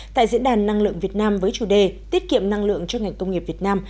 tại diễn đàn năng lượng việt nam với chủ đề tiết kiệm năng lượng cho ngành công nghiệp việt nam